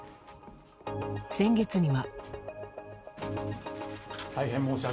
先月には。